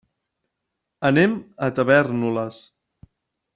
Anem a Tavèrnoles.